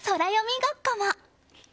ごっこも。